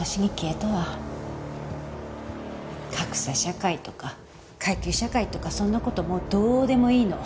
「格差社会とか階級社会とかそんな事もうどうでもいいの」